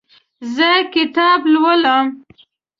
زه کتاب لولم.